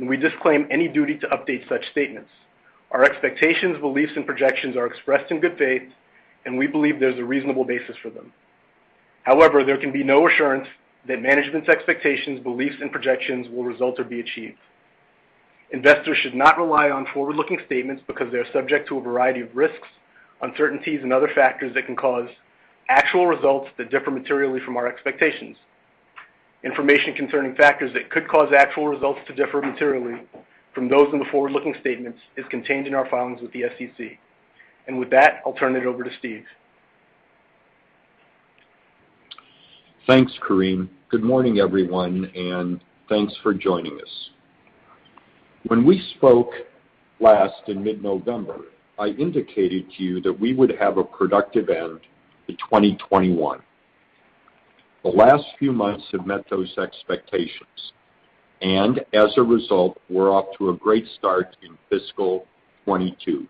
We disclaim any duty to update such statements. Our expectations, beliefs, and projections are expressed in good faith, and we believe there's a reasonable basis for them. However, there can be no assurance that management's expectations, beliefs, and projections will result or be achieved. Investors should not rely on forward-looking statements because they are subject to a variety of risks, uncertainties, and other factors that can cause actual results that differ materially from our expectations. Information concerning factors that could cause actual results to differ materially from those in the forward-looking statements is contained in our filings with the SEC. With that, I'll turn it over to Steve. Thanks, Kareem. Good morning, everyone, and thanks for joining us. When we spoke last in mid-November, I indicated to you that we would have a productive end to 2021. The last few months have met those expectations. As a result, we're off to a great start in fiscal 2022.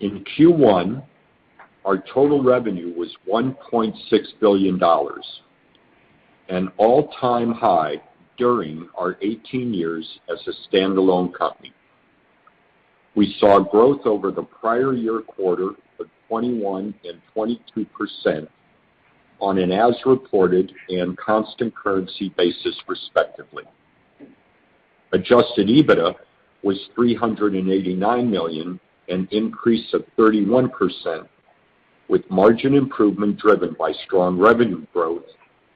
In Q1, our total revenue was $1.6 billion, an all-time high during our 18 years as a standalone company. We saw growth over the prior year quarter of 21% and 22% on an as-reported and constant currency basis, respectively. Adjusted EBITDA was $389 million, an increase of 31%, with margin improvement driven by strong revenue growth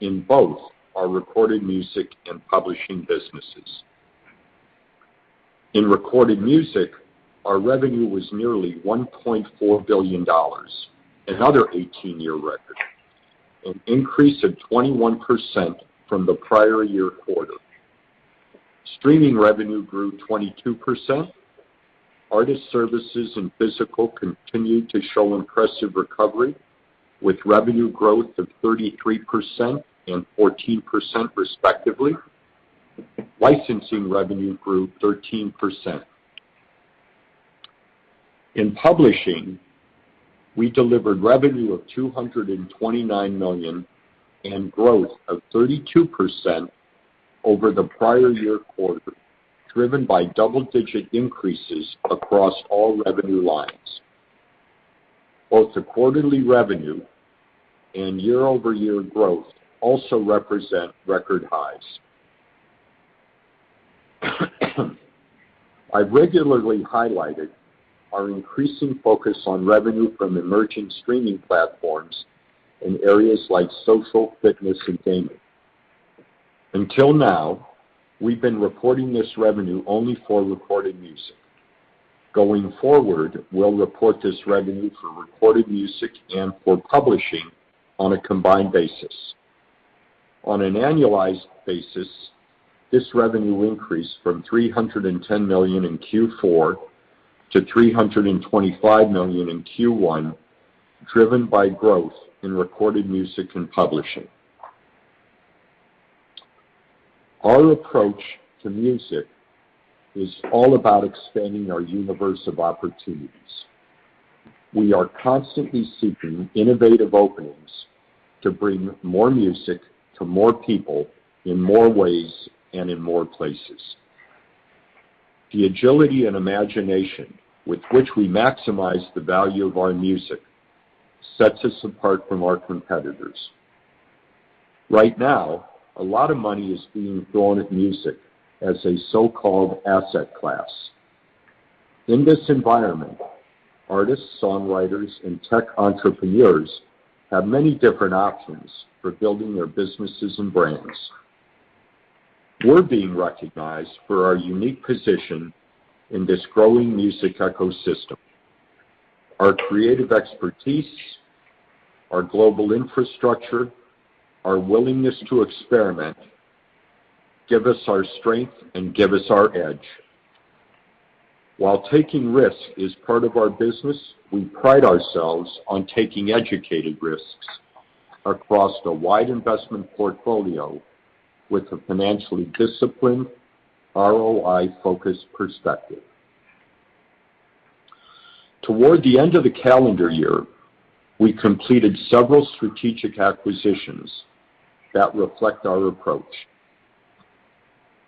in both our recorded music and publishing businesses. In recorded music, our revenue was nearly $1.4 billion, another 18-year record, an increase of 21% from the prior year quarter. Streaming revenue grew 22%. Artist Services and Physical continued to show impressive recovery with revenue growth of 33% and 14%, respectively. Licensing revenue grew 13%. In Publishing, we delivered revenue of $229 million and growth of 32% over the prior year quarter, driven by double-digit increases across all revenue lines. Both the quarterly revenue and year-over-year growth also represent record highs. I've regularly highlighted our increasing focus on revenue from emerging streaming platforms in areas like social, fitness, and gaming. Until now, we've been reporting this revenue only for Recorded Music. Going forward, we'll report this revenue for Recorded Music and for Publishing on a combined basis. On an annualized basis, this revenue increased from $310 million in Q4 to $325 million in Q1, driven by growth in Recorded Music and Publishing. Our approach to music is all about expanding our universe of opportunities. We are constantly seeking innovative openings to bring more music to more people in more ways and in more places. The agility and imagination with which we maximize the value of our music sets us apart from our competitors. Right now, a lot of money is being thrown at music as a so-called asset class. In this environment, artists, songwriters, and tech entrepreneurs have many different options for building their businesses and brands. We're being recognized for our unique position in this growing music ecosystem. Our creative expertise, our global infrastructure, our willingness to experiment give us our strength and give us our edge. While taking risk is part of our business, we pride ourselves on taking educated risks across a wide investment portfolio with a financially disciplined ROI-focused perspective. Toward the end of the calendar year, we completed several strategic acquisitions that reflect our approach.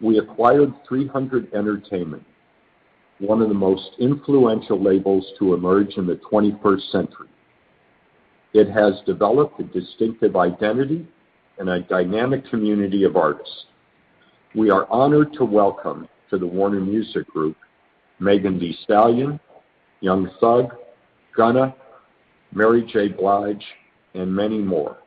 We acquired 300 Entertainment, one of the most influential labels to emerge in the 21st century. It has developed a distinctive identity and a dynamic community of artists. We are honored to welcome to the Warner Music Group, Megan Thee Stallion, Young Thug, Gunna, Mary J. Blige, and many more.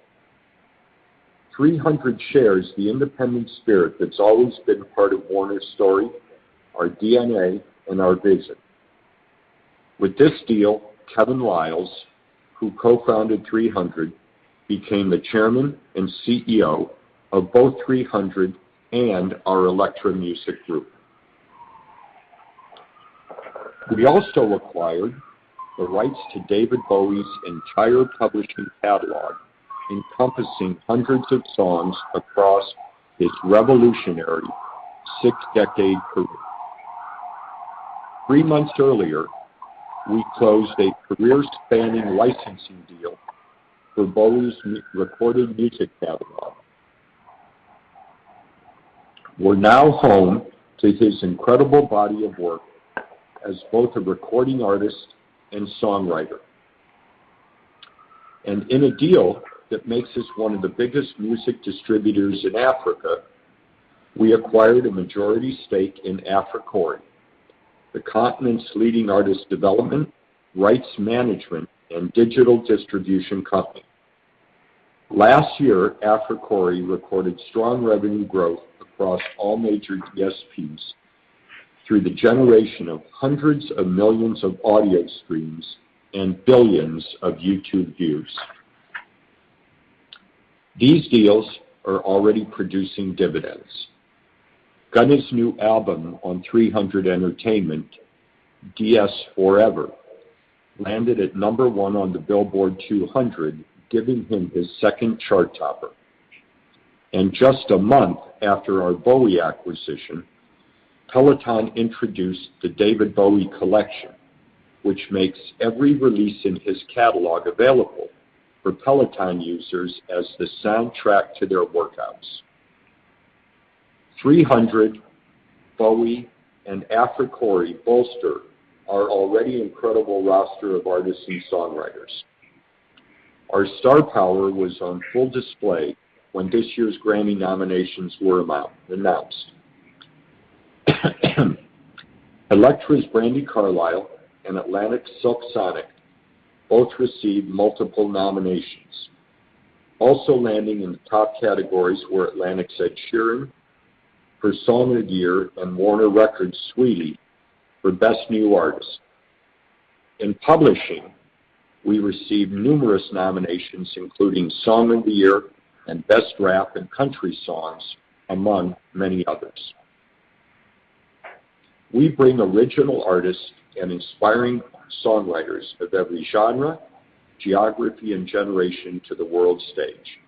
300 Entertainment shares the independent spirit that's always been part of Warner's story, our DNA, and our vision. With this deal, Kevin Liles, who co-founded 300 Entertainment, became the Chairman and CEO of both 300 Entertainment and our Elektra Music Group. We also acquired the rights to David Bowie's entire publishing catalog, encompassing hundreds of songs across his revolutionary six-decade career. Three months earlier, we closed a career-spanning licensing deal for Bowie's recorded music catalog. We're now home to his incredible body of work as both a recording artist and songwriter. In a deal that makes us one of the biggest music distributors in Africa, we acquired a majority stake in Africori, the continent's leading artist development, rights management, and digital distribution company. Last year, Africori recorded strong revenue growth across all major DSPs through the generation of hundreds of millions of audio streams and billions of YouTube views. These deals are already producing dividends. Gunna's new album on 300 Entertainment, DS4Ever, landed at number one on the Billboard 200, giving him his second chart topper. Just a month after our Bowie acquisition, Peloton introduced the David Bowie Collection, which makes every release in his catalog available for Peloton users as the soundtrack to their workouts. 300, Bowie, and Africori bolster our already incredible roster of artists and songwriters. Our star power was on full display when this year's Grammy nominations were announced. Elektra's Brandi Carlile and Atlantic's Silk Sonic both received multiple nominations. Also landing in the top categories were Atlantic's Ed Sheeran for Song of the Year and Warner Records Saweetie for Best New Artist. In publishing, we received numerous nominations, including Song of the Year and Best Rap and Country Songs, among many others. We bring original artists and inspiring songwriters of every genre, geography, and generation to the world stage.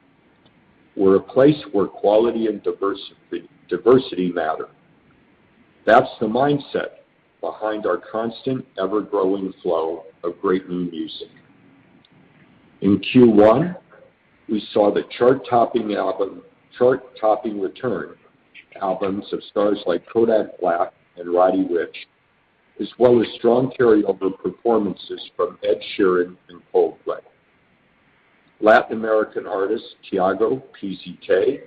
We're a place where quality and diversity matter. That's the mindset behind our constant, ever-growing flow of great new music. In Q1, we saw the chart-topping return albums of stars like Kodak Black and Roddy Ricch, as well as strong carryover performances from Ed Sheeran and Coldplay. Latin American artists Tiago PZK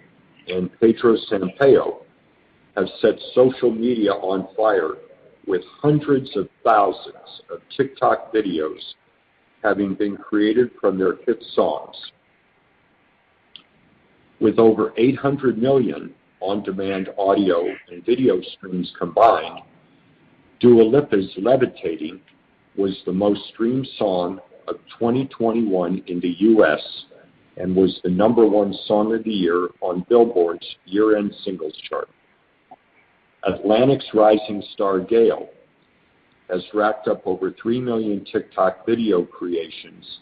and Pedro Sampaio have set social media on fire with hundreds of thousands of TikTok videos having been created from their hit songs. With over 800 million on-demand audio and video streams combined, Dua Lipa's Levitating was the most streamed song of 2021 in the U.S. and was the number one song of the year on Billboard's year-end singles chart. Atlantic's rising star, Gayle, has racked up over 3 million TikTok video creations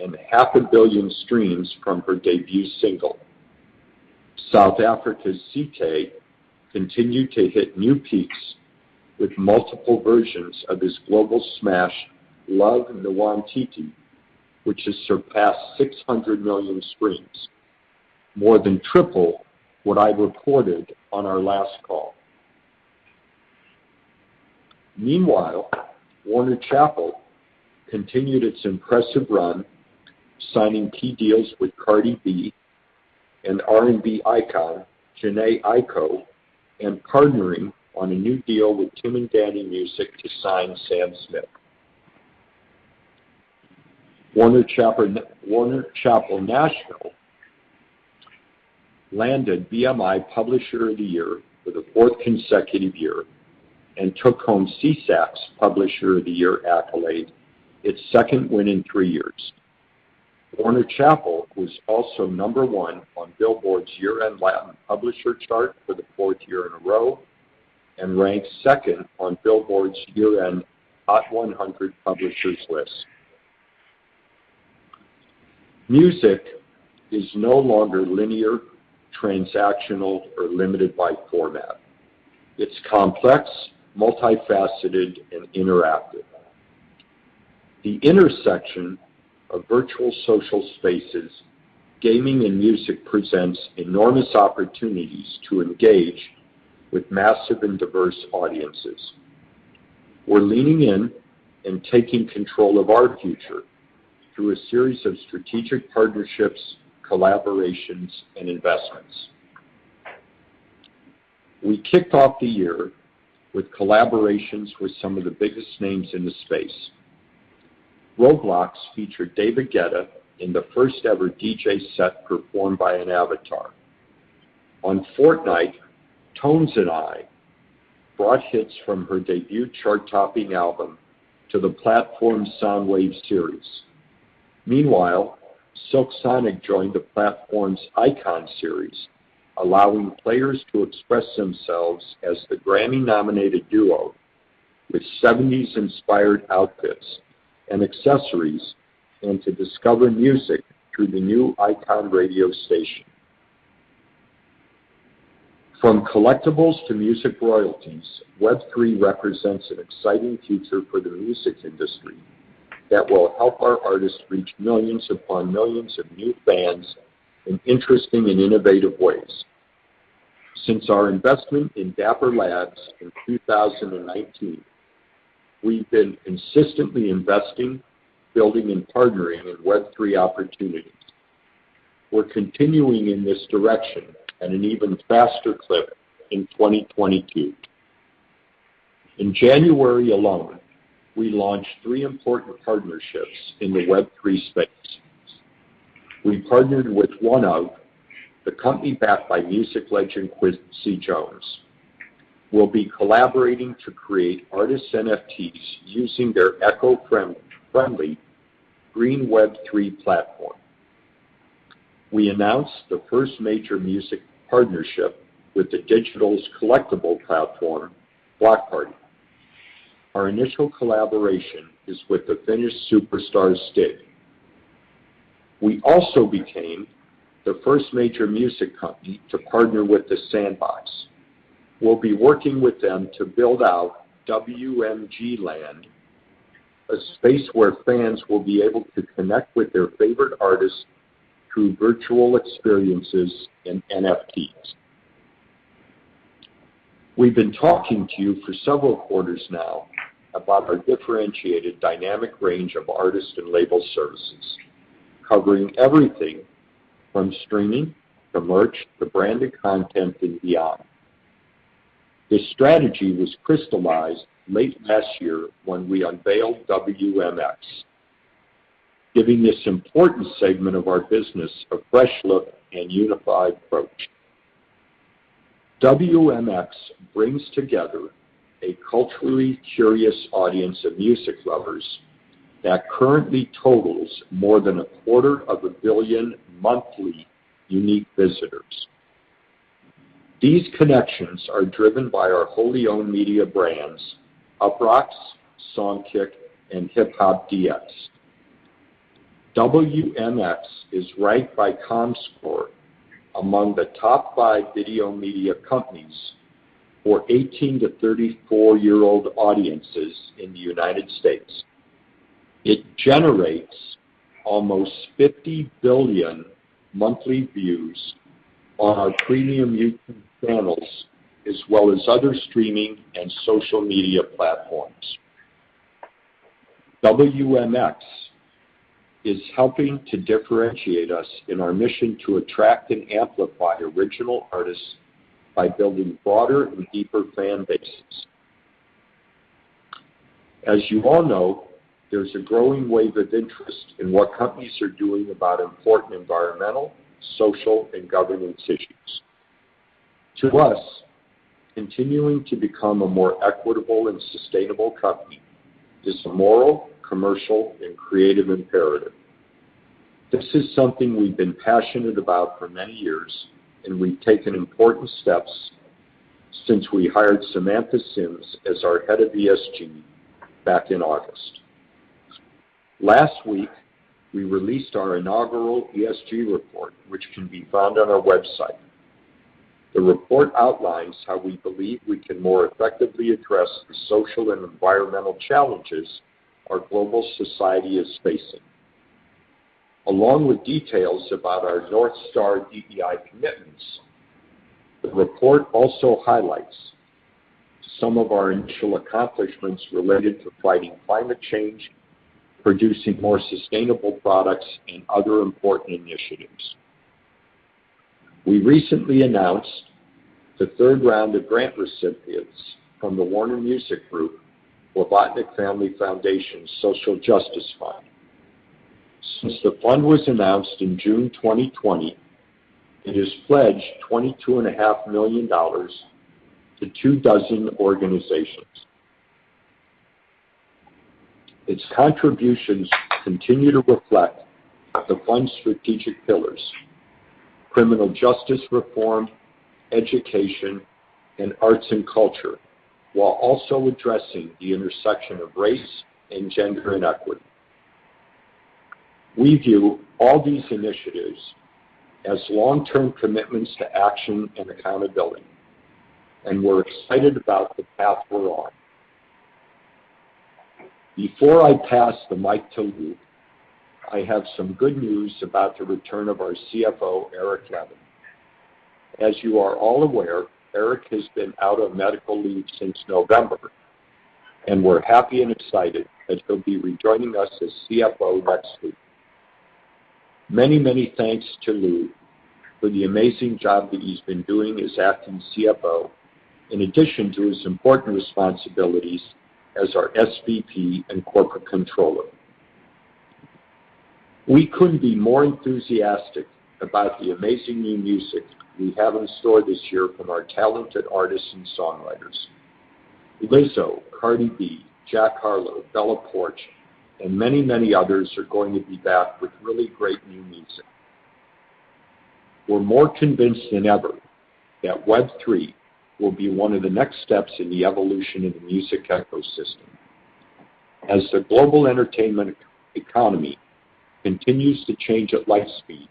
and half a million streams from her debut single. South Africa's CKay continued to hit new peaks with multiple versions of his global smash, Love Nwantiti, which has surpassed 600 million streams, more than triple what I reported on our last call. Meanwhile, Warner Chappell continued its impressive run, signing key deals with Cardi B and R&B icon Jhené Aiko, and partnering on a new deal with Tim and Danny Music to sign Sam Smith. Warner Chappell Nashville landed BMI Publisher of the Year for the fourth consecutive year and took home SESAC's Publisher of the Year accolade, its second win in three years. Warner Chappell was also number one on Billboard's year-end Latin Publisher chart for the fourth year in a row and ranked second on Billboard's year-end Hot 100 Publishers list. Music is no longer linear, transactional, or limited by format. It's complex, multifaceted, and interactive. The intersection of virtual social spaces, gaming, and music presents enormous opportunities to engage with massive and diverse audiences. We're leaning in and taking control of our future through a series of strategic partnerships, collaborations, and investments. We kicked off the year with collaborations with some of the biggest names in the space. Roblox featured David Guetta in the first-ever DJ set performed by an avatar. On Fortnite, Tones and I brought hits from her debut chart-topping album to the platform's Soundwave series. Meanwhile, Silk Sonic joined the platform's Icon series, allowing players to express themselves as the Grammy-nominated duo with seventies-inspired outfits and accessories, and to discover music through the new Icon radio station. From collectibles to music royalties, Web3 represents an exciting future for the music industry that will help our artists reach millions upon millions of new fans in interesting and innovative ways. Since our investment in Dapper Labs in 2019, we've been consistently investing, building and partnering on Web3 opportunities. We're continuing in this direction at an even faster clip in 2022. In January alone, we launched three important partnerships in the Web3 space. We partnered with OneOf, the company backed by music legend Quincy Jones. We'll be collaborating to create artist NFTs using their eco-friendly green Web3 platform. We announced the first major music partnership with the digital collectibles platform, Blockparty. Our initial collaboration is with the Finnish superstar, Stig. We also became the first major music company to partner with The Sandbox. We'll be working with them to build out WMG Land, a space where fans will be able to connect with their favorite artists through virtual experiences and NFTs. We've been talking to you for several quarters now about our differentiated dynamic range of artist and label services, covering everything from streaming to merch to branded content and beyond. This strategy was crystallized late last year when we unveiled WMX, giving this important segment of our business a fresh look and unified approach. WMX brings together a culturally curious audience of music lovers that currently totals more than a quarter of a billion monthly unique visitors. These connections are driven by our wholly owned media brands, Uproxx, Songkick, and HipHopDX. WMX is ranked by Comscore among the top five video media companies for 18-34 year-old audiences in the United States. It generates almost 50 billion monthly views on our premium YouTube channels, as well as other streaming and social media platforms. WMX is helping to differentiate us in our mission to attract and amplify original artists by building broader and deeper fan bases. As you all know, there's a growing wave of interest in what companies are doing about important environmental, social, and governance issues. To us, continuing to become a more equitable and sustainable company is a moral, commercial, and creative imperative. This is something we've been passionate about for many years, and we've taken important steps since we hired Samantha Sims as our Head of ESG back in August. Last week, we released our inaugural ESG report, which can be found on our website. The report outlines how we believe we can more effectively address the social and environmental challenges our global society is facing. Along with details about our North Star DEI commitments, the report also highlights some of our initial accomplishments related to fighting climate change, producing more sustainable products, and other important initiatives. We recently announced the third round of grant recipients from the Warner Music Group/Blavatnik Family Foundation Social Justice Fund. Since the fund was announced in June 2020, it has pledged $22.5 million to 24 organizations. Its contributions continue to reflect the fund's strategic pillars, criminal justice reform, education, and arts and culture, while also addressing the intersection of race and gender inequity. We view all these initiatives as long-term commitments to action and accountability, and we're excited about the path we're on. Before I pass the mic to Lou, I have some good news about the return of our CFO, Eric Levin. As you are all aware, Eric has been out on medical leave since November, and we're happy and excited as he'll be rejoining us as CFO next week. Many, many thanks to Lou for the amazing job that he's been doing as acting CFO, in addition to his important responsibilities as our SVP and Corporate Controller. We couldn't be more enthusiastic about the amazing new music we have in store this year from our talented artists and songwriters. Lizzo, Cardi B, Jack Harlow, Bella Poarch, and many, many others are going to be back with really great new music. We're more convinced than ever that Web3 will be one of the next steps in the evolution of the music ecosystem. As the global entertainment economy continues to change at light speed,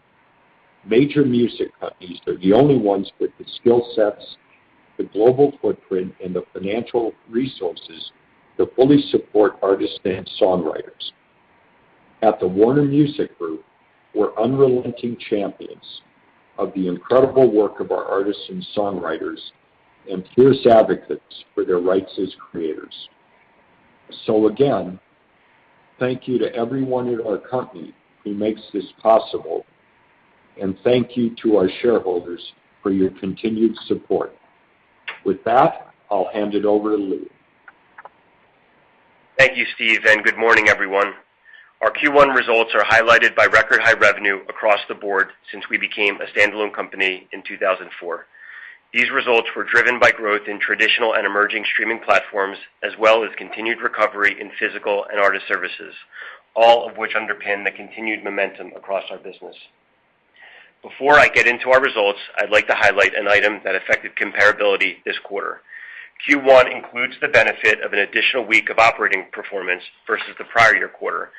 major music companies are the only ones with the skill sets, the global footprint, and the financial resources to fully support artists and songwriters. At the Warner Music Group, we're unrelenting champions of the incredible work of our artists and songwriters and fierce advocates for their rights as creators. Again, thank you to everyone at our company who makes this possible, and thank you to our shareholders for your continued support. With that, I'll hand it over to Lou. Thank you, Steve, and good morning, everyone. Our Q1 results are highlighted by record high revenue across the board since we became a standalone company in 2004. These results were driven by growth in traditional and emerging streaming platforms, as well as continued recovery in physical and artist services, all of which underpin the continued momentum across our business. Before I get into our results, I'd like to highlight an item that affected comparability this quarter. Q1 includes the benefit of an additional week of operating performance versus the prior year quarter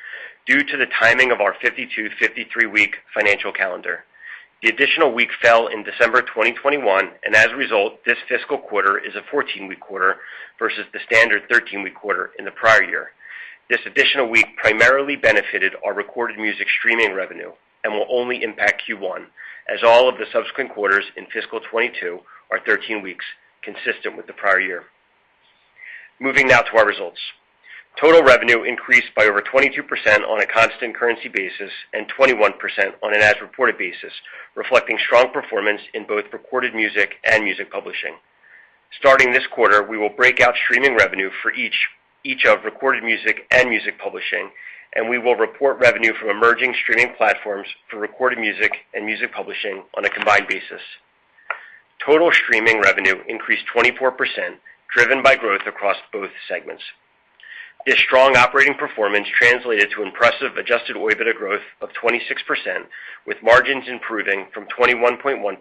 due to the timing of our 52, 53-week financial calendar. The additional week fell in December 2021, and as a result, this fiscal quarter is a 14-week quarter versus the standard 13-week quarter in the prior year. This additional week primarily benefited our recorded music streaming revenue and will only impact Q1 as all of the subsequent quarters in fiscal 2022 are 13 weeks consistent with the prior year. Moving now to our results. Total revenue increased by over 22% on a constant currency basis and 21% on an as-reported basis, reflecting strong performance in both recorded music and music publishing. Starting this quarter, we will break out streaming revenue for each of recorded music and music publishing, and we will report revenue from emerging streaming platforms for recorded music and music publishing on a combined basis. Total streaming revenue increased 24%, driven by growth across both segments. This strong operating performance translated to impressive adjusted OIBDA growth of 26%, with margins improving from 21.1%-22%.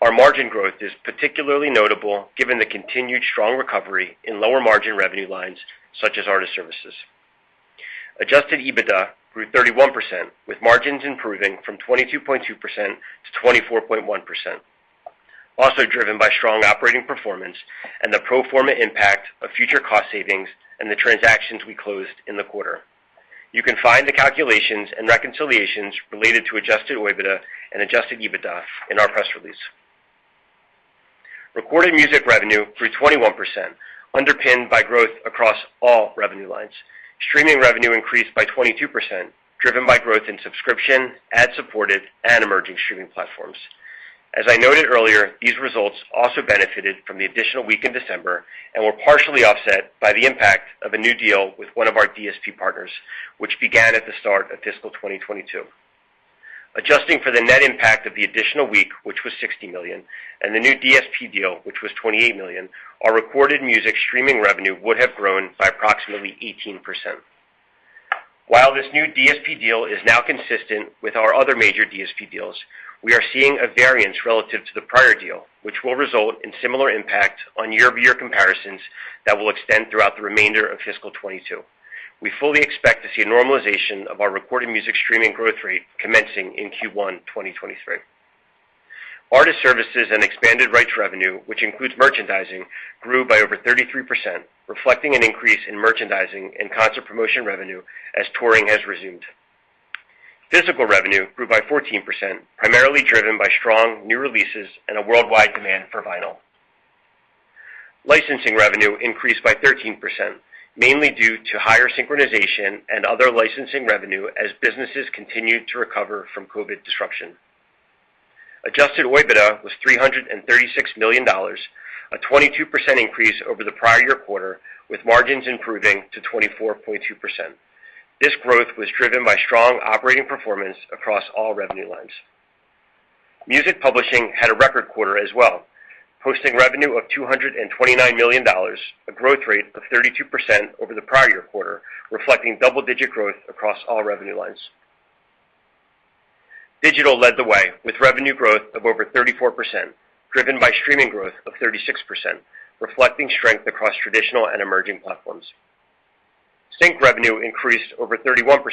Our margin growth is particularly notable given the continued strong recovery in lower margin revenue lines such as artist services. Adjusted EBITDA grew 31%, with margins improving from 22.2%-24.1%, also driven by strong operating performance and the pro forma impact of future cost savings and the transactions we closed in the quarter. You can find the calculations and reconciliations related to adjusted OIBDA and adjusted EBITDA in our press release. Recorded music revenue grew 21%, underpinned by growth across all revenue lines. Streaming revenue increased by 22%, driven by growth in subscription, ad-supported, and emerging streaming platforms. As I noted earlier, these results also benefited from the additional week in December and were partially offset by the impact of a new deal with one of our DSP partners, which began at the start of fiscal 2022. Adjusting for the net impact of the additional week, which was $60 million, and the new DSP deal, which was $28 million, our recorded music streaming revenue would have grown by approximately 18%. While this new DSP deal is now consistent with our other major DSP deals, we are seeing a variance relative to the prior deal, which will result in similar impact on year-over-year comparisons that will extend throughout the remainder of fiscal 2022. We fully expect to see a normalization of our recorded music streaming growth rate commencing in Q1 2023. Artist services and expanded rights revenue, which includes merchandising, grew by over 33%, reflecting an increase in merchandising and concert promotion revenue as touring has resumed. Physical revenue grew by 14%, primarily driven by strong new releases and a worldwide demand for vinyl. Licensing revenue increased by 13%, mainly due to higher synchronization and other licensing revenue as businesses continued to recover from COVID disruption. Adjusted OIBDA was $336 million, a 22% increase over the prior year quarter, with margins improving to 24.2%. This growth was driven by strong operating performance across all revenue lines. Music publishing had a record quarter as well, posting revenue of $229 million, a growth rate of 32% over the prior year quarter, reflecting double-digit growth across all revenue lines. Digital led the way with revenue growth of over 34%, driven by streaming growth of 36%, reflecting strength across traditional and emerging platforms. Sync revenue increased over 31%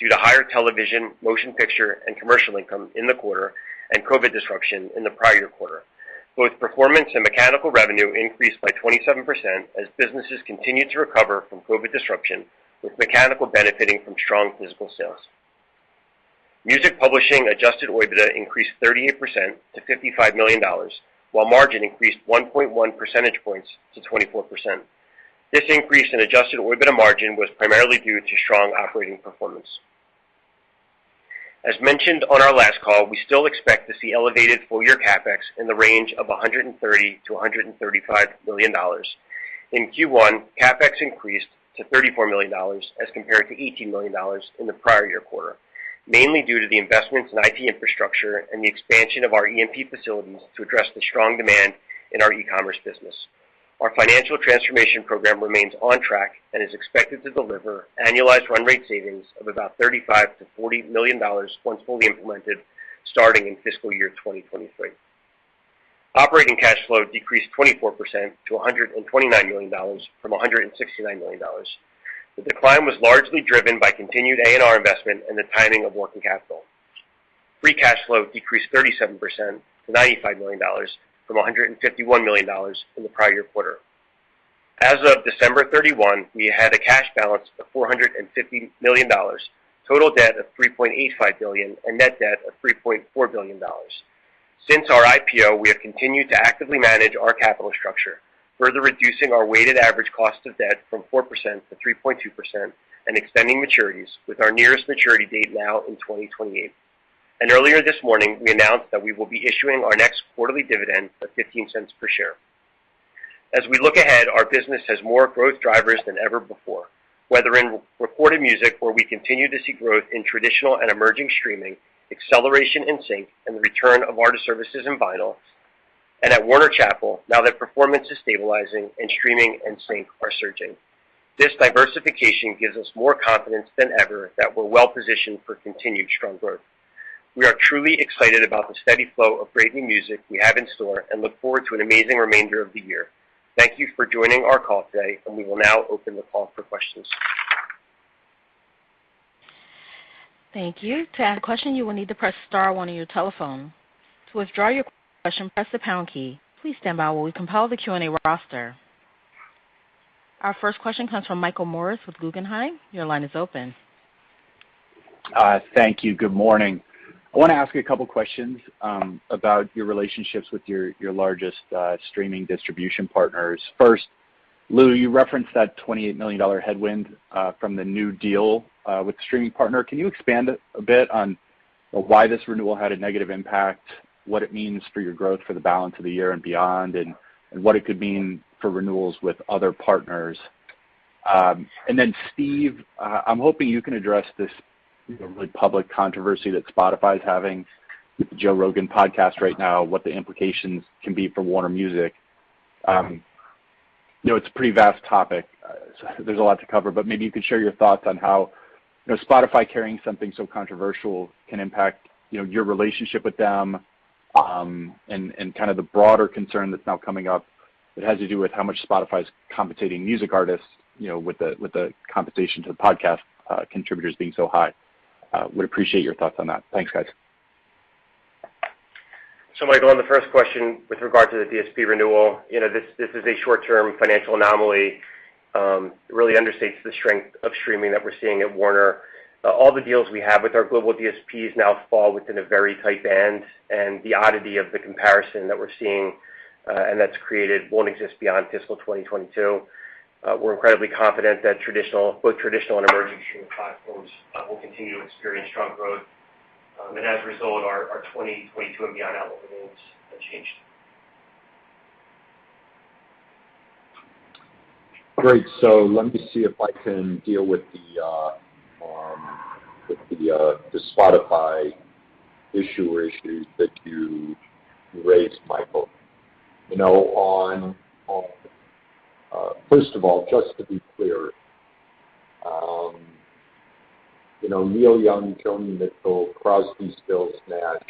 due to higher television, motion picture, and commercial income in the quarter and COVID disruption in the prior quarter. Both performance and mechanical revenue increased by 27% as businesses continued to recover from COVID disruption, with mechanical benefiting from strong physical sales. Music Publishing adjusted OIBDA increased 38% to $55 million, while margin increased 1.1 percentage points to 24%. This increase in adjusted OIBDA margin was primarily due to strong operating performance. As mentioned on our last call, we still expect to see elevated full-year CapEx in the range of $130 million-$135 million. In Q1, CapEx increased to $34 million as compared to $18 million in the prior year quarter, mainly due to the investments in IT infrastructure and the expansion of our EMP facilities to address the strong demand in our e-commerce business. Our financial transformation program remains on track and is expected to deliver annualized run rate savings of about $35 million-$40 million once fully implemented starting in fiscal year 2023. Operating cash flow decreased 24% to $129 million from $169 million. The decline was largely driven by continued A&R investment and the timing of working capital. Free cash flow decreased 37% to $95 million from $151 million in the prior year quarter. As of December 31, we had a cash balance of $450 million, total debt of $3.85 billion, and net debt of $3.4 billion. Since our IPO, we have continued to actively manage our capital structure, further reducing our weighted average cost of debt from 4%-3.2% and extending maturities with our nearest maturity date now in 2028. Earlier this morning, we announced that we will be issuing our next quarterly dividend of $0.15 per share. As we look ahead, our business has more growth drivers than ever before, whether in recorded music, where we continue to see growth in traditional and emerging streaming, acceleration in sync, and the return of artist services and vinyl, or at Warner Chappell, now that performance is stabilizing and streaming and sync are surging. This diversification gives us more confidence than ever that we're well positioned for continued strong growth. We are truly excited about the steady flow of great new music we have in store and look forward to an amazing remainder of the year. Thank you for joining our call today, and we will now open the call for questions. Thank you. Our first question comes from Michael Morris with Guggenheim. Your line is open. Thank you. Good morning. I want to ask you a couple questions about your relationships with your largest streaming distribution partners. First, Lou, you referenced that $28 million headwind from the new deal with the streaming partner. Can you expand a bit on why this renewal had a negative impact, what it means for your growth for the balance of the year and beyond, and what it could mean for renewals with other partners? Steve, I'm hoping you can address this, you know, public controversy that Spotify is having with The Joe Rogan podcast right now, what the implications can be for Warner Music. You know, it's a pretty vast topic. There's a lot to cover, but maybe you could share your thoughts on how, you know, Spotify carrying something so controversial can impact, you know, your relationship with them, and kind of the broader concern that's now coming up that has to do with how much Spotify is compensating music artists, you know, with the compensation to the podcast contributors being so high. Would appreciate your thoughts on that. Thanks, guys. Michael, on the first question with regard to the DSP renewal, you know, this is a short-term financial anomaly, really understates the strength of streaming that we're seeing at Warner. All the deals we have with our global DSPs now fall within a very tight band. The oddity of the comparison that we're seeing, and that's created won't exist beyond fiscal 2022. We're incredibly confident that both traditional and emerging streaming platforms will continue to experience strong growth. As a result, our 2022 and beyond outlook remains unchanged. Great. So let me see if I can deal with the Spotify issue or issues that you raised, Michael. You know, on first of all, just to be clear, you know, Neil Young, Joni Mitchell, Crosby, Stills, Nash,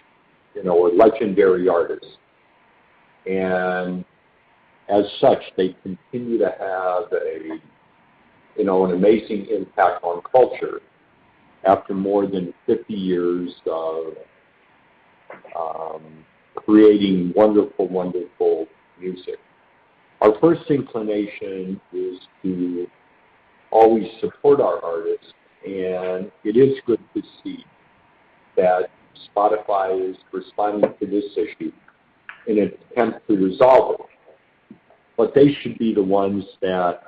you know, are legendary artists. As such, they continue to have a, you know, an amazing impact on culture after more than 50 years of creating wonderful music. Our first inclination is to always support our artists, and it is good to see that Spotify is responding to this issue in an attempt to resolve it. They should be the ones that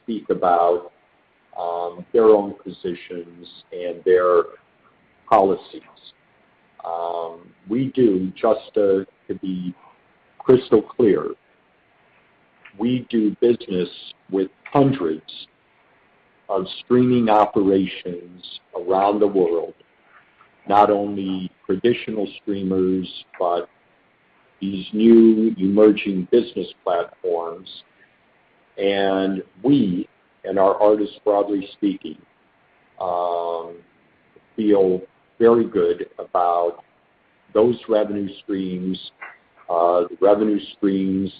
speak about their own positions and their policies. We do, just, to be crystal clear, we do business with hundreds of streaming operations around the world, not only traditional streamers, but these new emerging business platforms. We and our artists, broadly speaking, feel very good about those revenue streams, the revenue streams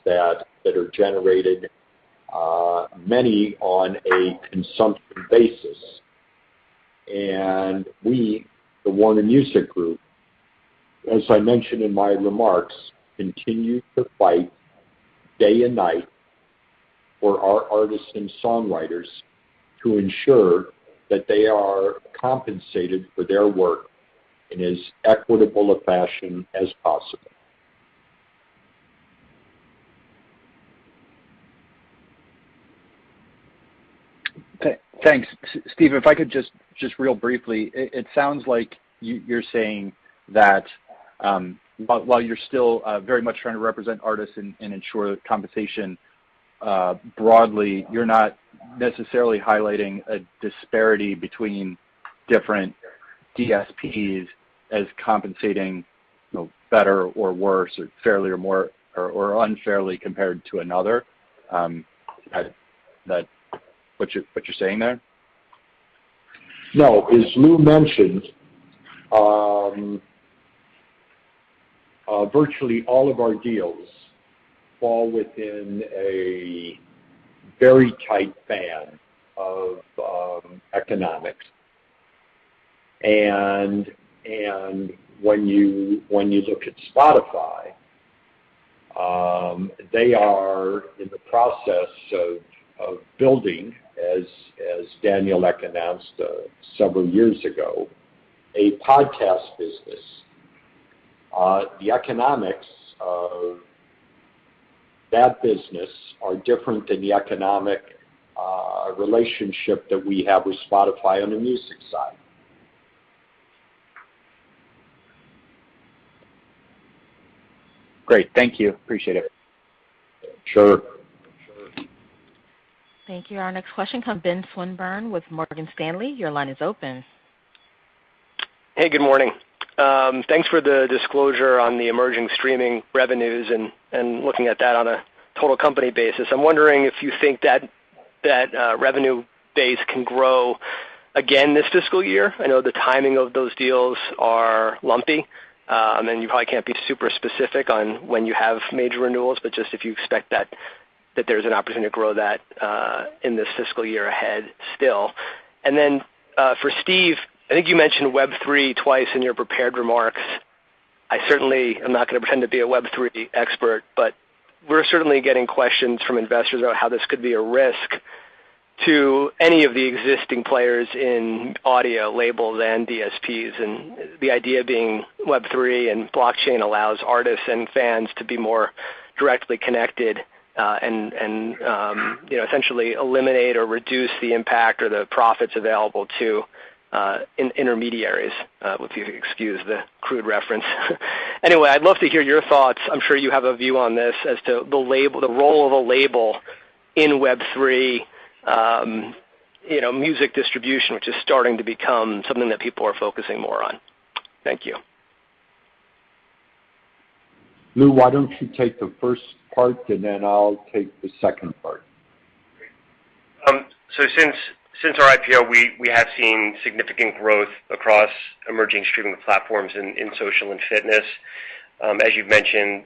that are generated, many on a consumption basis. We, the Warner Music Group, as I mentioned in my remarks, continue to fight day and night for our artists and songwriters to ensure that they are compensated for their work in as equitable a fashion as possible. Thanks. Steve, if I could just really briefly. It sounds like you're saying that while you're still very much trying to represent artists and ensure compensation broadly, you're not necessarily highlighting a disparity between different DSPs as compensating, you know, better or worse or fairly or more or unfairly compared to another. Is that what you're saying there? No. As Lou mentioned, virtually all of our deals fall within a very tight band of economics. When you look at Spotify, they are in the process of building as Daniel Ek announced several years ago, a podcast business. The economics of that business are different than the economic relationship that we have with Spotify on the music side. Great. Thank you. Appreciate it. Sure. Thank you. Our next question comes from Benjamin Swinburne with Morgan Stanley. Your line is open. Hey, good morning. Thanks for the disclosure on the emerging streaming revenues and looking at that on a total company basis. I'm wondering if you think that revenue base can grow again this fiscal year. I know the timing of those deals are lumpy. You probably can't be super specific on when you have major renewals, but just if you expect that there's an opportunity to grow that in this fiscal year ahead still. Then, for Steve, I think you mentioned Web3 twice in your prepared remarks. I certainly am not gonna pretend to be a Web3 expert, but we're certainly getting questions from investors about how this could be a risk to any of the existing players in audio labels and DSPs, and the idea being Web3 and blockchain allows artists and fans to be more directly connected, and you know, essentially eliminate or reduce the impact or the profits available to intermediaries, if you excuse the crude reference. Anyway, I'd love to hear your thoughts. I'm sure you have a view on this as to the role of a label in Web3, you know, music distribution, which is starting to become something that people are focusing more on. Thank you. Lou, why don't you take the first part, and then I'll take the second part. Great. So since our IPO, we have seen significant growth across emerging streaming platforms in social and fitness. As you've mentioned,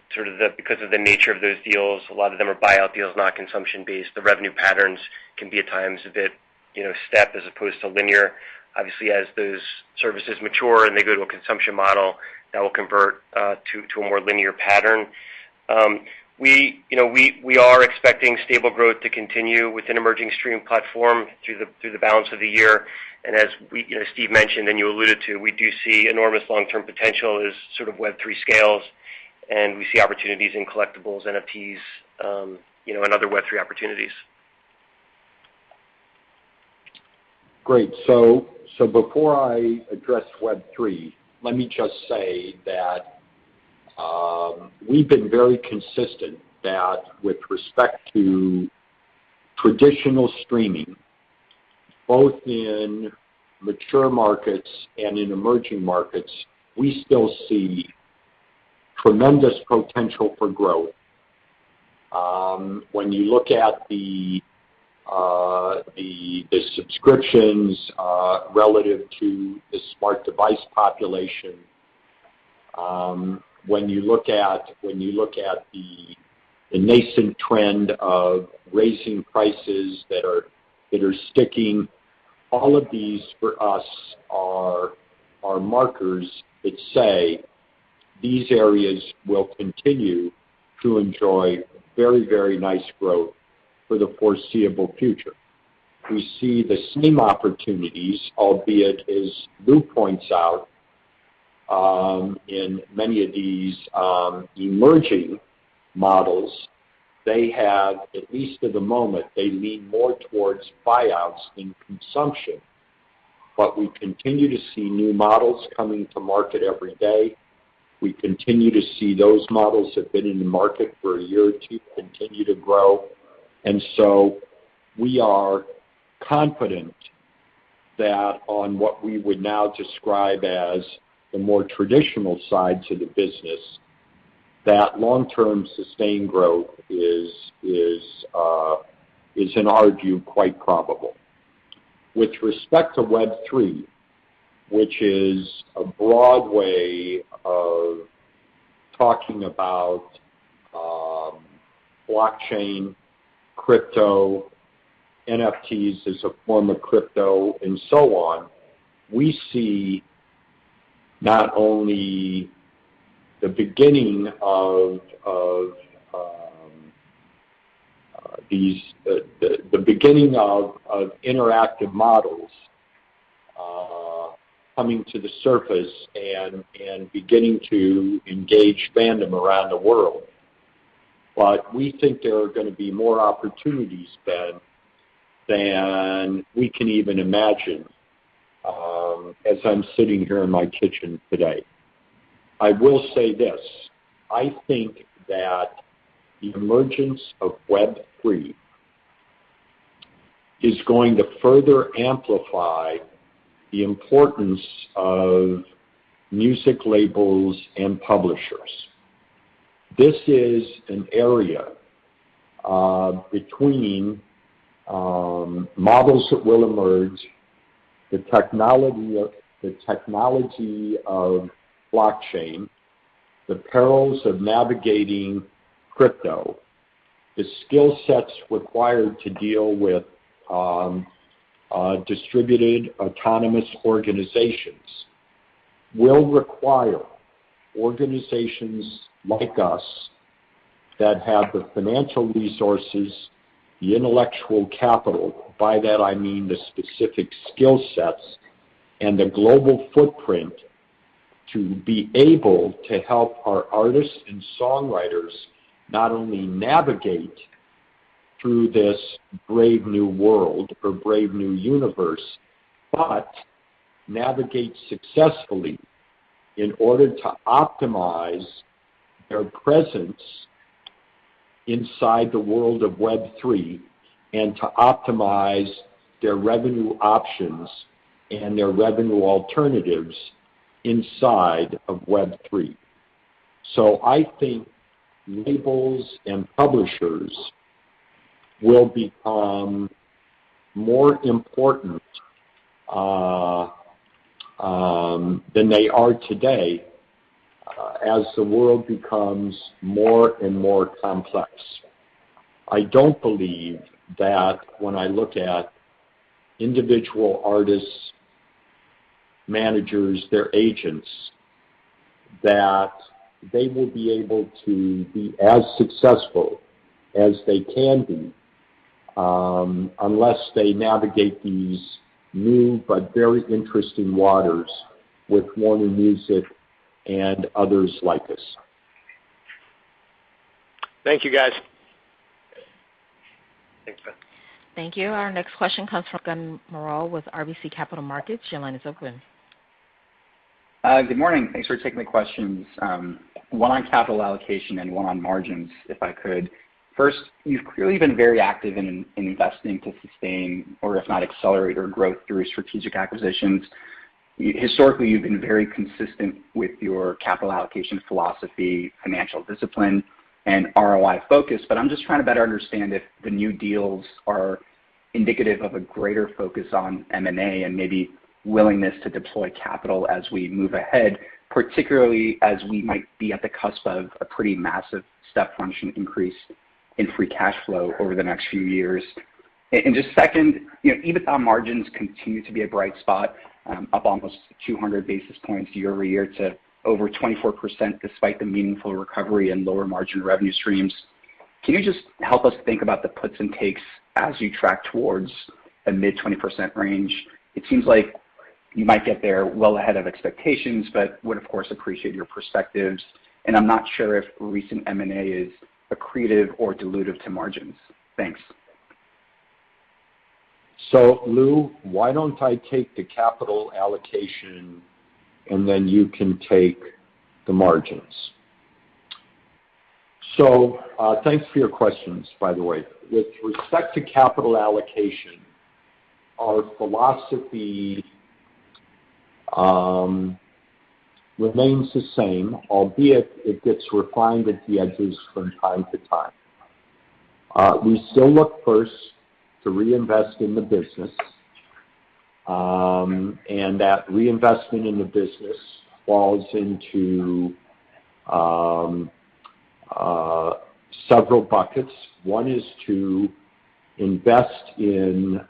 because of the nature of those deals, a lot of them are buyout deals, not consumption-based. The revenue patterns can be at times a bit, you know, step as opposed to linear. Obviously, as those services mature and they go to a consumption model, that will convert to a more linear pattern. We are expecting stable growth to continue within emerging streaming platform through the balance of the year. As we, you know, Steve mentioned and you alluded to, we do see enormous long-term potential as sort of Web3 scales, and we see opportunities in collectibles, NFTs, you know, and other Web3 opportunities. Great. Before I address Web3, let me just say that we've been very consistent that with respect to traditional streaming, both in mature markets and in emerging markets, we still see tremendous potential for growth. When you look at the subscriptions relative to the smart device population, when you look at the nascent trend of raising prices that are sticking, all of these for us are markers that say these areas will continue to enjoy very nice growth for the foreseeable future. We see the same opportunities, albeit as Lou points out, in many of these emerging models, they have, at least at the moment, they lean more towards buyouts than consumption. We continue to see new models coming to market every day. We continue to see those models have been in the market for a year or two continue to grow. We are confident that on what we would now describe as the more traditional side to the business, that long-term sustained growth is, in our view, quite probable. With respect to Web3, which is a broad way of talking about, blockchain, crypto, NFTs as a form of crypto, and so on, we see not only the beginning of interactive models coming to the surface and beginning to engage fandom around the world. We think there are gonna be more opportunities, Ben, than we can even imagine, as I'm sitting here in my kitchen today. I will say this, I think that the emergence of Web3 is going to further amplify the importance of music labels and publishers. This is an area between models that will emerge, the technology of blockchain, the perils of navigating crypto, the skill sets required to deal with distributed autonomous organizations will require organizations like us that have the financial resources, the intellectual capital, by that I mean the specific skill sets, and the global footprint to be able to help our artists and songwriters not only navigate through this brave new world or brave new universe, but navigate successfully in order to optimize their presence inside the world of Web3, and to optimize their revenue options and their revenue alternatives inside of Web3. I think labels and publishers will become more important than they are today as the world becomes more and more complex. I don't believe that when I look at individual artists, managers, their agents, that they will be able to be as successful as they can be unless they navigate these new but very interesting waters with Warner Music and others like us. Thank you, guys. Thanks, Ben. Thank you. Our next question comes from Kutgun Maral with RBC Capital Markets. Your line is open. Good morning. Thanks for taking the questions. One on capital allocation and one on margins, if I could. First, you've clearly been very active in investing to sustain or if not accelerate your growth through strategic acquisitions. Historically, you've been very consistent with your capital allocation philosophy, financial discipline, and ROI focus. I'm just trying to better understand if the new deals are indicative of a greater focus on M&A and maybe willingness to deploy capital as we move ahead, particularly as we might be at the cusp of a pretty massive step function increase in free cash flow over the next few years. And just second, you know, EBITDA margins continue to be a bright spot, up almost 200 basis points year-over-year to over 24% despite the meaningful recovery and lower margin revenue streams. Can you just help us think about the puts and takes as you track towards a mid-20% range? It seems like you might get there well ahead of expectations, but would of course appreciate your perspectives. I'm not sure if recent M&A is accretive or dilutive to margins. Thanks. Lou, why don't I take the capital allocation, and then you can take the margins. Thanks for your questions, by the way. With respect to capital allocation, our philosophy remains the same, albeit it gets refined at the edges from time to time. We still look first to reinvest in the business, and that reinvestment in the business falls into several buckets. One is to invest in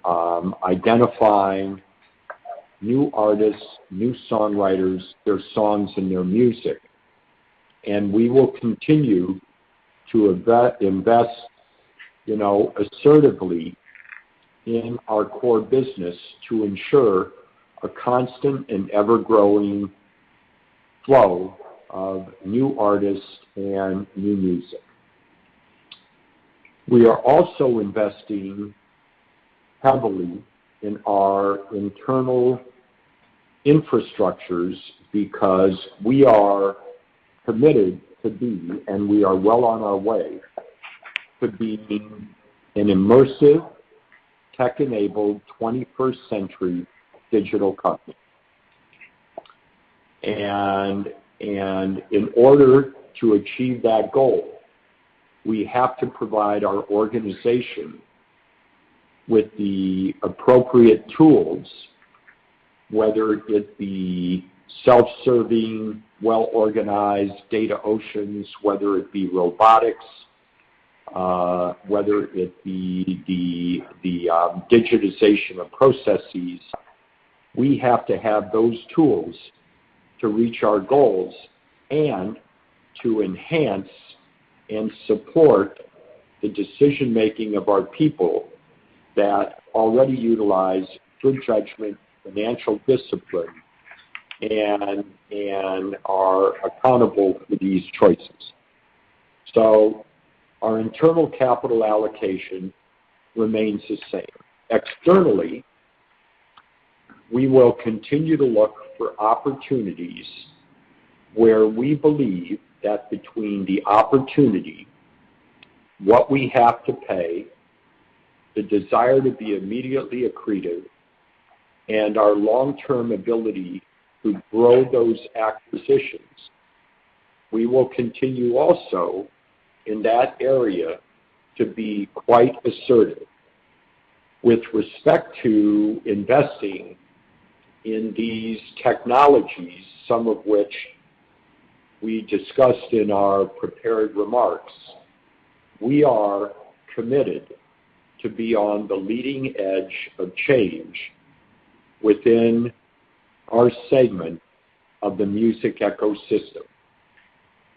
identifying new artists, new songwriters, their songs and their music. We will continue to invest, you know, assertively in our core business to ensure a constant and ever-growing flow of new artists and new music. We are also investing heavily in our internal infrastructures because we are permitted to be, and we are well on our way to being an immersive, tech-enabled, twenty-first century digital company. In order to achieve that goal, we have to provide our organization with the appropriate tools, whether it be self-service, well-organized data oceans, whether it be robotics, whether it be the digitization of processes. We have to have those tools to reach our goals and to enhance and support the decision-making of our people that already utilize good judgment, financial discipline, and are accountable for these choices. Our internal capital allocation remains the same. Externally, we will continue to look for opportunities where we believe that between the opportunity, what we have to pay, the desire to be immediately accretive, and our long-term ability to grow those acquisitions. We will continue also in that area to be quite assertive. With respect to investing in these technologies, some of which we discussed in our prepared remarks, we are committed to be on the leading edge of change within our segment of the music ecosystem.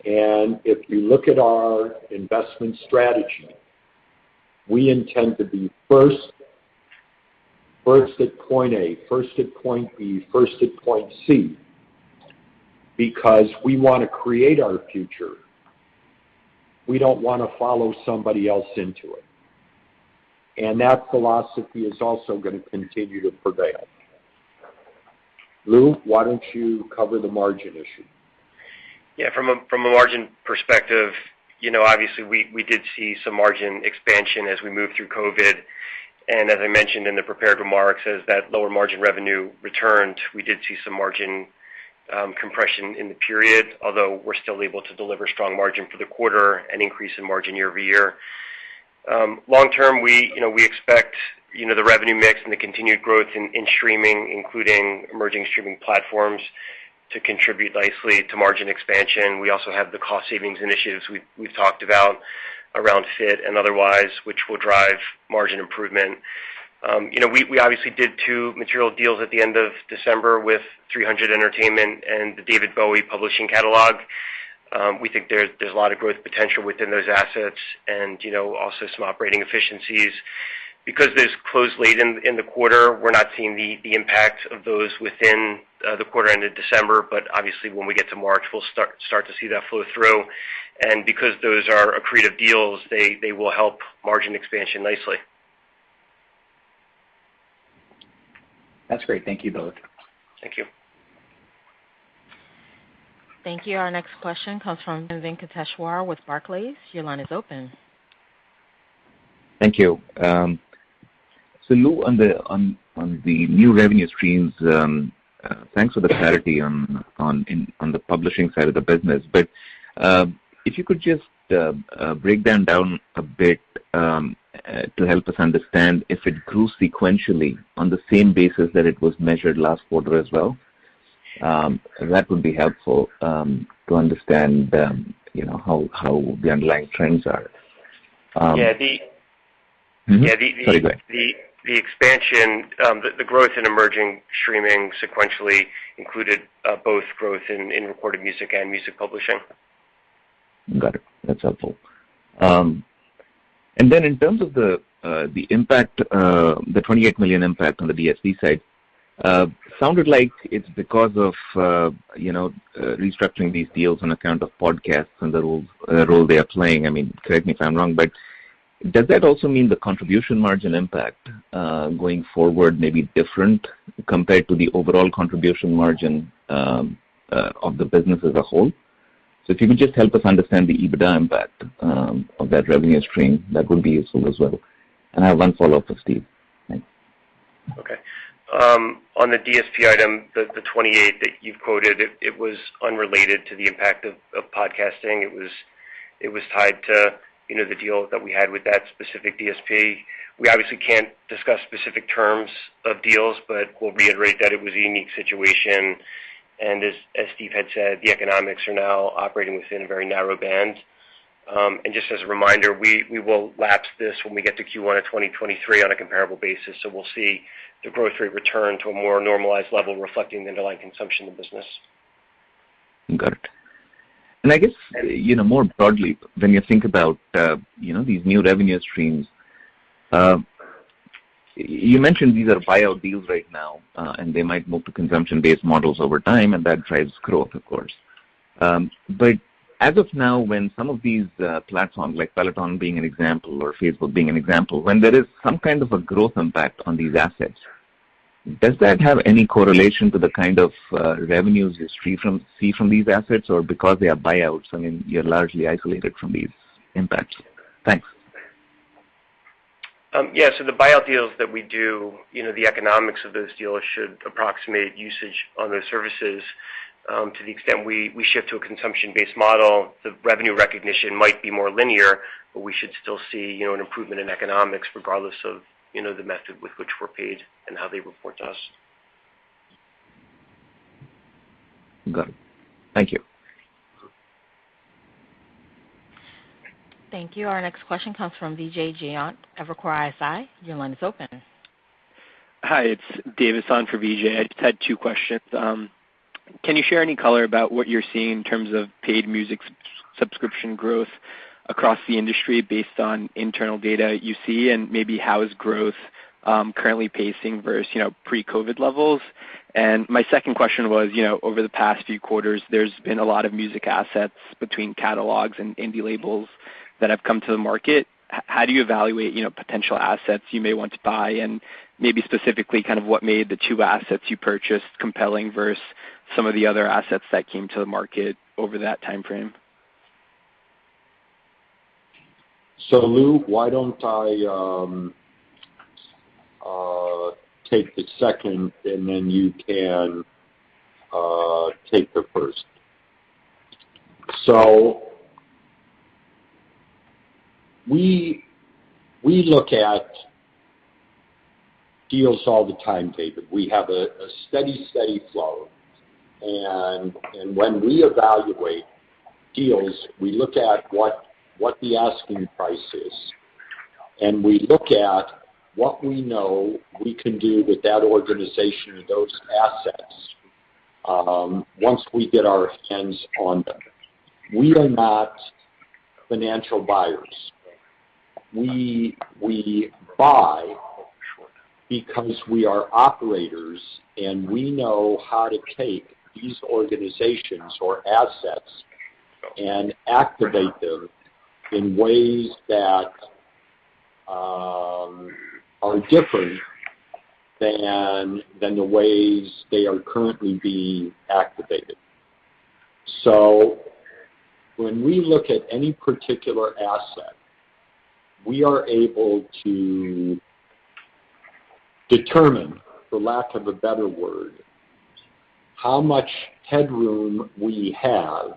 If you look at our investment strategy, we intend to be first at point A, first at point B, first at point C, because we want to create our future. We don't want to follow somebody else into it. That philosophy is also going to continue to prevail. Lou, why don't you cover the margin issue? Yeah. From a margin perspective, you know, obviously, we did see some margin expansion as we moved through COVID. As I mentioned in the prepared remarks, as that lower margin revenue returned, we did see some margin compression in the period, although we're still able to deliver strong margin for the quarter and increase in margin year-over-year. Long term, we, you know, we expect, you know, the revenue mix and the continued growth in streaming, including emerging streaming platforms, to contribute nicely to margin expansion. We also have the cost savings initiatives we've talked about around FIT and otherwise, which will drive margin improvement. You know, we obviously did two material deals at the end of December with 300 Entertainment and the David Bowie publishing catalog. We think there's a lot of growth potential within those assets and, you know, also some operating efficiencies. Because those closed late in the quarter, we're not seeing the impact of those within the quarter end of December. But obviously, when we get to March, we'll start to see that flow through. Because those are accretive deals, they will help margin expansion nicely. That's great. Thank you both. Thank you. Thank you. Our next question comes from Vin Kateshwar with Barclays. Your line is open. Thank you. So Lou, on the new revenue streams, thanks for the clarity on the publishing side of the business. If you could just break them down a bit to help us understand if it grew sequentially on the same basis that it was measured last quarter as well, that would be helpful to understand, you know, how the underlying trends are. Yeah. Sorry, go ahead. Yeah, the expansion, the growth in emerging streaming sequentially included both growth in recorded music and music publishing. Got it. That's helpful. In terms of the impact, the $28 million impact on the DSP side, sounded like it's because of, you know, restructuring these deals on account of podcasts and the role they are playing. I mean, correct me if I'm wrong, but does that also mean the contribution margin impact, going forward may be different compared to the overall contribution margin, of the business as a whole? If you could just help us understand the EBITDA impact, of that revenue stream, that would be useful as well. I have one follow-up for Steve. Thanks. Okay. On the DSP item, the 28 that you've quoted, it was unrelated to the impact of podcasting. It was tied to, you know, the deal that we had with that specific DSP. We obviously can't discuss specific terms of deals, but we'll reiterate that it was a unique situation. As Steve had said, the economics are now operating within a very narrow band. Just as a reminder, we will lapse this when we get to Q1 of 2023 on a comparable basis. We'll see the growth rate return to a more normalized level reflecting the underlying consumption of the business. Got it. I guess, you know, more broadly, when you think about, you know, these new revenue streams, you mentioned these are buyout deals right now, and they might move to consumption-based models over time, and that drives growth, of course. But as of now, when some of these, platforms, like Peloton being an example or Facebook being an example, when there is some kind of a growth impact on these assets, does that have any correlation to the kind of, revenues you see from these assets? Or because they are buyouts, I mean, you're largely isolated from these impacts? Thanks. Yeah. The buyout deals that we do, you know, the economics of those deals should approximate usage on those services. To the extent we shift to a consumption-based model, the revenue recognition might be more linear, but we should still see, you know, an improvement in economics regardless of, you know, the method with which we're paid and how they report to us. Got it. Thank you. Thank you. Our next question comes from Vijay Jayant, Evercore ISI. Your line is open. Hi, it's Davidson for Vijay. I just had two questions. Can you share any color about what you're seeing in terms of paid music subscription growth across the industry based on internal data you see, and maybe how is growth currently pacing versus, you know, pre-COVID levels? My second question was, you know, over the past few quarters, there's been a lot of music assets between catalogs and indie labels that have come to the market. How do you evaluate, you know, potential assets you may want to buy, and maybe specifically kind of what made the two assets you purchased compelling versus some of the other assets that came to the market over that timeframe? Lou, why don't I take the second, and then you can take the first. We look at deals all the time, David. We have a steady flow. When we evaluate deals, we look at what the asking price is, and we look at what we know we can do with that organization or those assets once we get our hands on them. We are not financial buyers. We buy because we are operators, and we know how to take these organizations or assets and activate them in ways that are different than the ways they are currently being activated. When we look at any particular asset, we are able to determine, for lack of a better word, how much headroom we have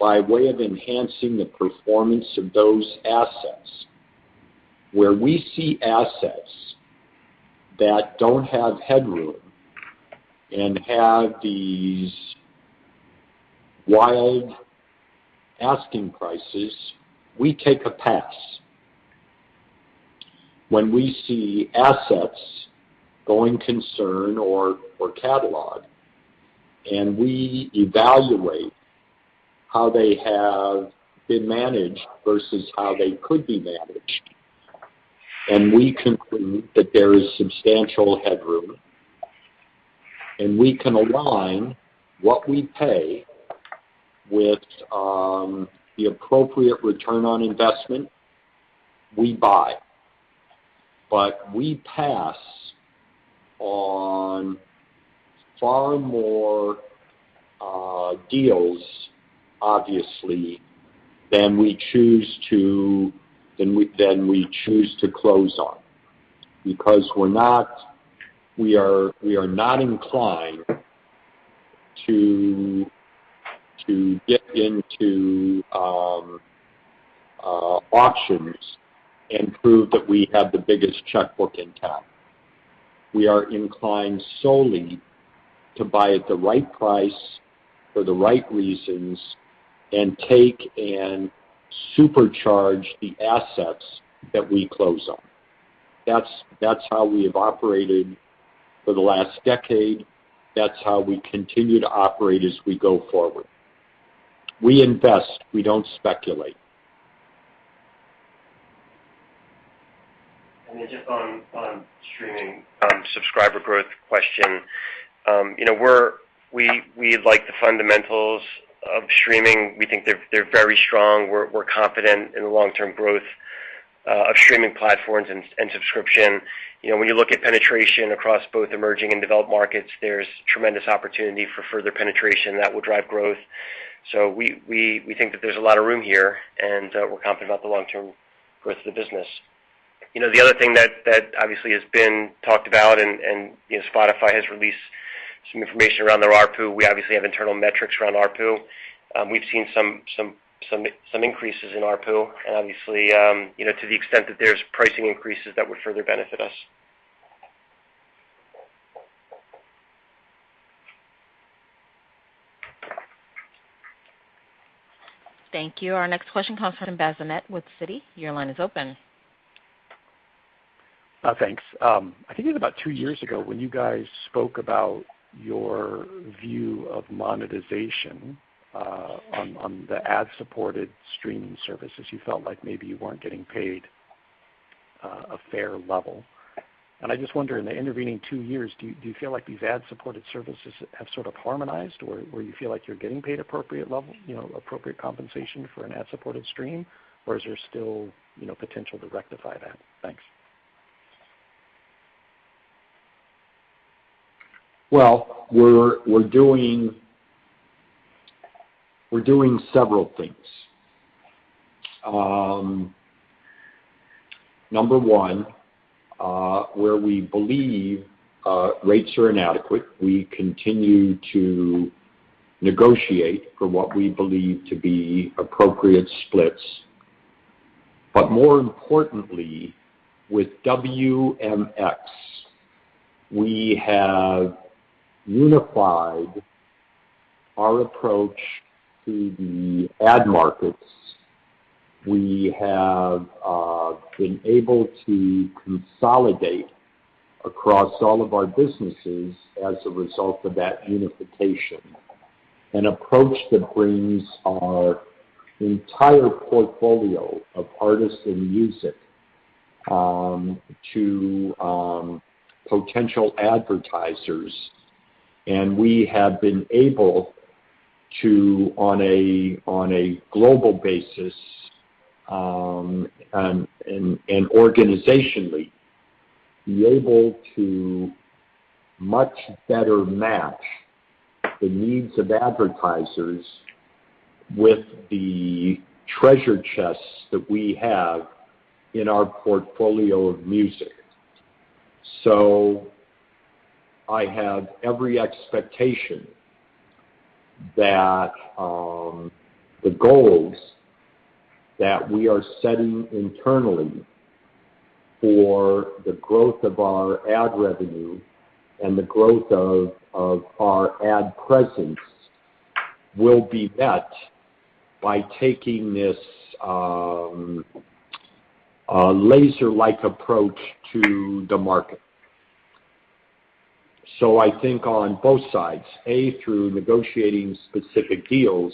by way of enhancing the performance of those assets. Where we see assets that don't have headroom and have these wild asking prices, we take a pass. When we see assets, going concern or catalog, and we evaluate how they have been managed versus how they could be managed, and we conclude that there is substantial headroom, and we can align what we pay with the appropriate return on investment, we buy. We pass on far more deals, obviously, than we choose to close on because we are not inclined to get into auctions and prove that we have the biggest checkbook in town. We are inclined solely to buy at the right price for the right reasons and take and supercharge the assets that we close on. That's how we have operated for the last decade. That's how we continue to operate as we go forward. We invest. We don't speculate. Just on streaming subscriber growth question. You know, we're we like the fundamentals of streaming. We think they're very strong. We're confident in the long-term growth of streaming platforms and subscription. You know, when you look at penetration across both emerging and developed markets, there's tremendous opportunity for further penetration that will drive growth. We think that there's a lot of room here, and we're confident about the long-term growth of the business. You know, the other thing that obviously has been talked about and you know, Spotify has released some information around their ARPU. We obviously have internal metrics around ARPU. We've seen some increases in ARPU and obviously you know, to the extent that there's pricing increases that would further benefit us. Thank you. Our next question comes from Bazinet with Citi. Your line is open. Thanks. I think it was about two years ago when you guys spoke about your view of monetization on the ad-supported streaming services. You felt like maybe you weren't getting paid a fair level. I just wonder, in the intervening two years, do you feel like these ad-supported services have sort of harmonized where you feel like you're getting paid appropriate level, you know, appropriate compensation for an ad-supported stream, or is there still, you know, potential to rectify that? Thanks. Well, we're doing several things. Number one, where we believe rates are inadequate, we continue to negotiate for what we believe to be appropriate splits. More importantly, with WMX, we have unified our approach to the ad markets. We have been able to consolidate across all of our businesses as a result of that unification, an approach that brings our entire portfolio of artists and music to potential advertisers. We have been able to, on a global basis, organizationally be able to much better match the needs of advertisers with the treasure chests that we have in our portfolio of music. I have every expectation that the goals that we are setting internally for the growth of our ad revenue and the growth of our ad presence will be met by taking this a laser-like approach to the market. I think on both sides, A, through negotiating specific deals,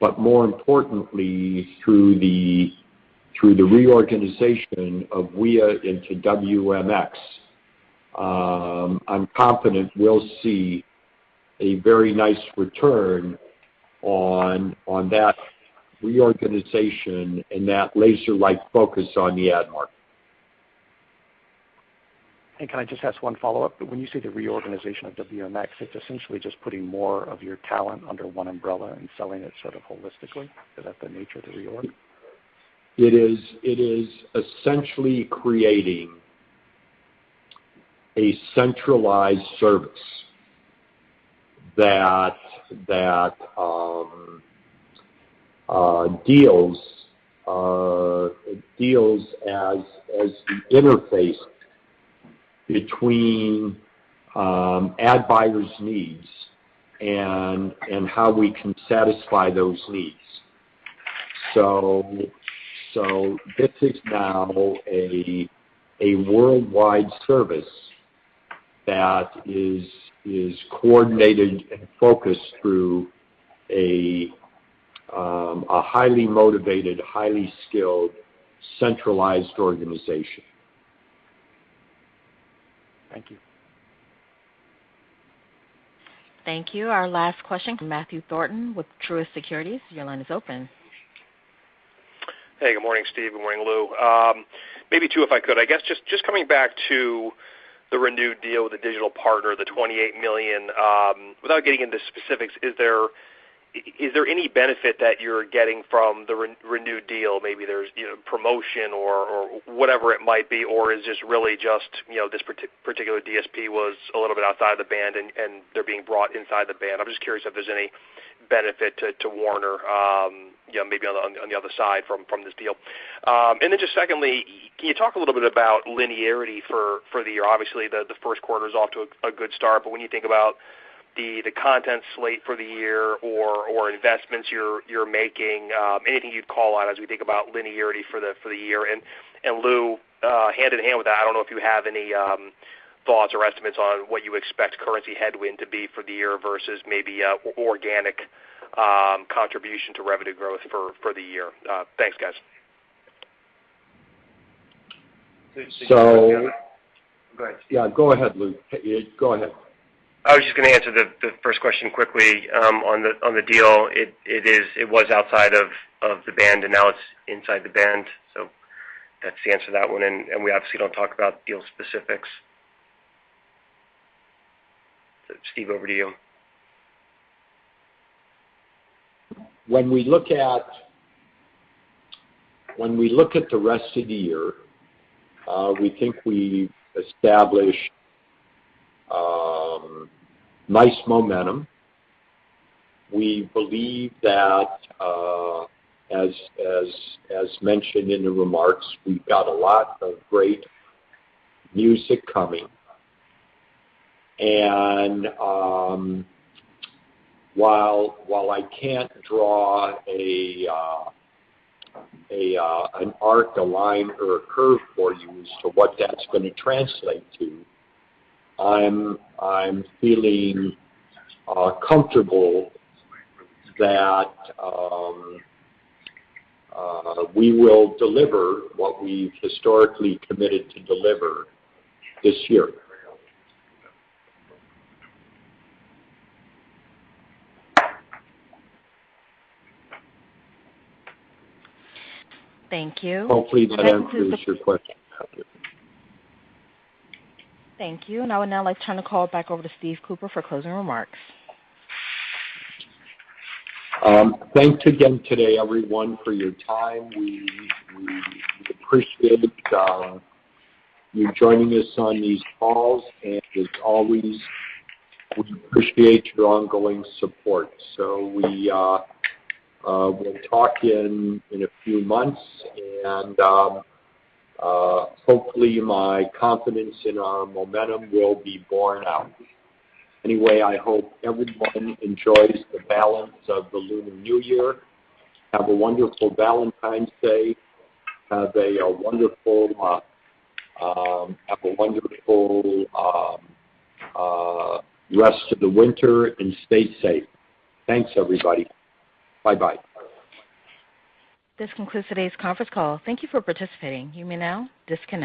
but more importantly, through the reorganization of WEA into WMX, I'm confident we'll see a very nice return on that reorganization and that laser-like focus on the ad market. Can I just ask one follow-up? When you say the reorganization of WMX, it's essentially just putting more of your talent under one umbrella and selling it sort of holistically. Is that the nature of the reorg? It is essentially creating a centralized service that deals as the interface between ad buyers' needs and how we can satisfy those needs. This is now a worldwide service that is coordinated and focused through a highly motivated, highly skilled, centralized organization. Thank you. Thank you. Our last question, Matthew Thornton with Truist Securities. Your line is open. Hey, good morning, Steve. Good morning, Lou. Maybe two, if I could. I guess just coming back to the renewed deal with a digital partner, the $28 million, without getting into specifics, is there any benefit that you're getting from the renewed deal? Maybe there's, you know, promotion or whatever it might be, or is this really just, you know, this particular DSP was a little bit outside of the band and they're being brought inside the band. I'm just curious if there's any benefit to Warner, you know, maybe on the other side from this deal. And then just secondly, can you talk a little bit about linearity for the year? Obviously, the first quarter is off to a good start, but when you think about the content slate for the year or investments you're making, anything you'd call out as we think about linearity for the year. Lou, hand in hand with that, I don't know if you have any thoughts or estimates on what you expect currency headwind to be for the year versus maybe an organic contribution to revenue growth for the year. Thanks, guys. Go ahead. Yeah, go ahead, Lou. Go ahead. I was just gonna answer the first question quickly, on the deal. It was outside of the band, and now it's inside the band. That's the answer to that one, and we obviously don't talk about deal specifics. Steve, over to you. When we look at the rest of the year, we think we've established nice momentum. We believe that, as mentioned in the remarks, we've got a lot of great music coming. While I can't draw an arc, a line or a curve for you as to what that's gonna translate to, I'm feeling comfortable that we will deliver what we've historically committed to deliver this year. Thank you. Hopefully, that answers your question. Thank you. I would now like to turn the call back over to Steve Cooper for closing remarks. Thanks again today, everyone, for your time. We appreciate you joining us on these calls, and as always, we appreciate your ongoing support. We will talk in a few months, and hopefully, my confidence in our momentum will be borne out. Anyway, I hope everyone enjoys the balance of the Lunar New Year. Have a wonderful Valentine's Day. Have a wonderful rest of the winter and stay safe. Thanks, everybody. Bye-bye. This concludes today's conference call. Thank you for participating. You may now disconnect.